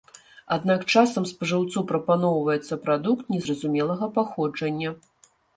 Аднак часам спажыўцу прапаноўваецца прадукт незразумелага паходжання.